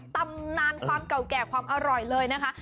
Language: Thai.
ตำนานความเก่าแก่ความอร่อยเลยนะคะ